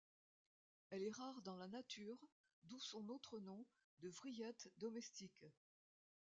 Elle est rare dans la nature, d'où son autre nom de vrillette domestique.